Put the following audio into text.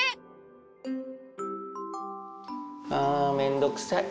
あめんどくさい。